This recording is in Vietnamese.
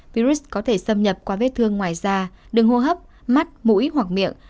virus có thể xâm nhập qua vết thương ngoài da đường hô hấp mắt mũi hoặc miệng